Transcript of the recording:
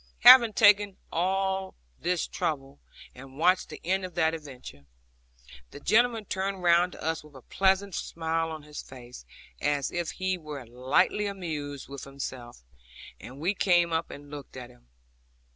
Having taken all this trouble, and watched the end of that adventure, the gentleman turned round to us with a pleasant smile on his face, as if he were lightly amused with himself; and we came up and looked at him.